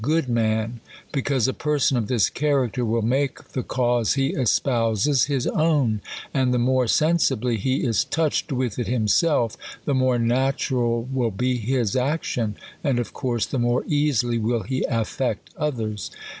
good man ; because a person of this character will make the cause he espouses his own ; and the more sensibly he is touched with it himself, the more natural will be his action ; and, of course, the more easily will he affect others.